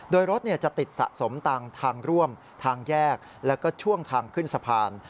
โดยรถจะติดสะสมตามทางร่วมทางแยกแล้วก็ช่วงทางขึ้นสะพาน